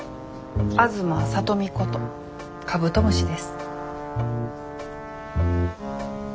東聡美ことカブトムシです。